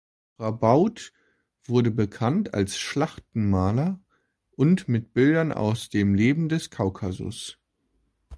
Roubaud wurde bekannt als Schlachtenmaler und mit Bildern aus dem Leben des Kaukasus.